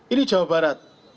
ini jawa barat